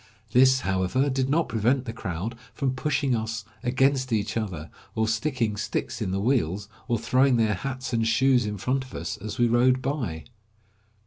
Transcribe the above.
This, however, did not prevent the crowd from pushing us against each other, or sticking sticks in the wheels, or throwing their hats and shoes in front of us, as we rode by.